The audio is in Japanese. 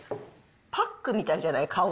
パックみたいじゃない？